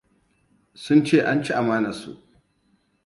Sun ce an ci amanarsu.